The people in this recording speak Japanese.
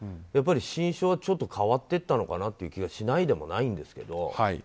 やっぱり心象はちょっと変わっていったのかなという気がしないでもないんですけど。